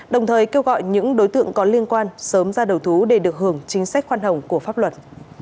đồng thời kêu gọi những đối tượng có liên quan sớm ra đầu thú để được hưởng chính sách khoan hồng của pháp luật